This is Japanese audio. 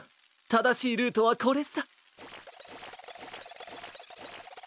ただしいルートはこれさ！